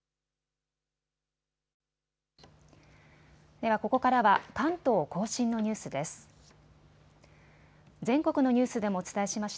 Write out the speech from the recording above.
ではここからは関東甲信のニュースです。